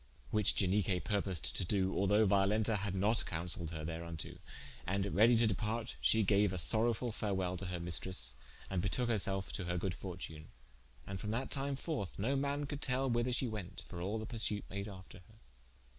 Which Ianique purposed to doe, although Violenta had not consailed her thereunto: and ready to departe, shee gaue a sorowefull farewell to her maistres, and betoke her selfe to her good fortune: and from that time forth, no man could tell whether she went, for all the persute made after her.